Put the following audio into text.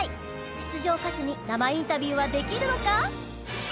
出場歌手に生インタビューはできるのか？